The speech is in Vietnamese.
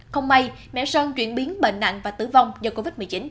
không may mẹ sơn chuyển biến bệnh nặng và tử vong do covid một mươi chín